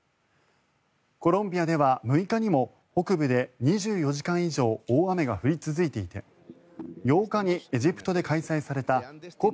コロンビアでは６日にも北部で２４時間以上大雨が降り続いていて８日にエジプトで開催されたＣＯＰ